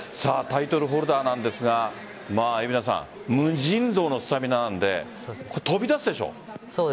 タイトルホルダーなんですが無尽蔵のスタミナなので飛び出すでしょう？